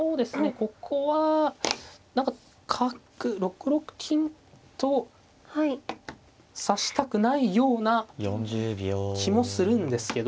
ここは何か角６六金と指したくないような気もするんですけど。